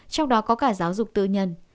trong đó có cả giáo dục tư nhân